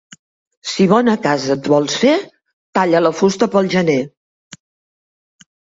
Si bona casa et vols fer, talla la fusta pel gener.